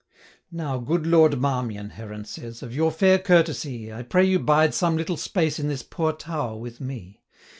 'Now, good Lord Marmion,' Heron says, 'Of your fair courtesy, I pray you bide some little space 215 In this poor tower with me.